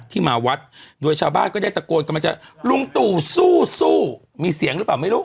ที่มาวัดดังนั้นชาวบ้านก็ได้ตะโกนก็มาสั่ง